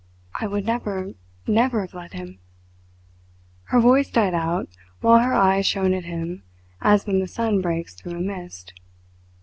I would never, never have let him " Her voice died out, while her eyes shone at him as when the sun breaks through a mist.